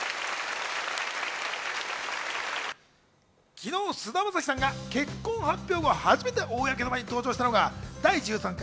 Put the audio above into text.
昨日、菅田将暉さんが結婚発表後、初めて公の場に登場したのは第１３回